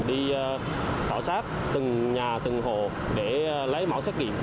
đi tạo sát từng nhà từng hồ để lấy mẫu xét nghiệm